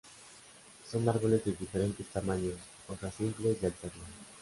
Son árboles de diferentes tamaños hojas simples y alternas.